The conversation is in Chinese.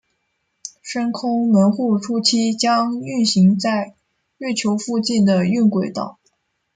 深空门户初期将运行在月球附近的晕轨道。